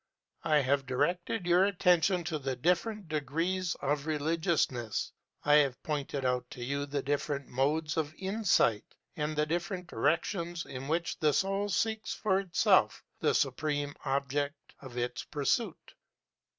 I have directed your attention to the different degrees of religiousness, I have pointed out to you the different modes of insight and the different directions in which the soul seeks for itself the supreme object of its pursuit.